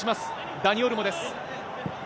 ダニ・オルモです。